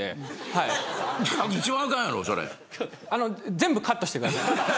全部カットしてください。